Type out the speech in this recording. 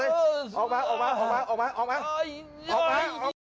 เฮ้ยเฮ้ย